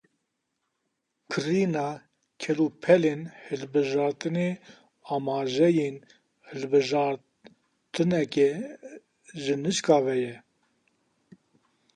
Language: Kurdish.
Kirîna kelûpelên hilbijartinê amajeyên hilbijartineke ji nişka ve ye.